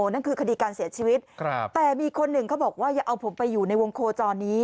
นั่นคือคดีการเสียชีวิตแต่มีคนหนึ่งเขาบอกว่าอย่าเอาผมไปอยู่ในวงโคจรนี้